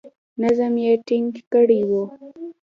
نظم یې ټینګ کړی وو.